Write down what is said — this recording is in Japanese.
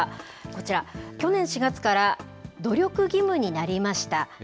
こちら、去年４月から努力義務になりました。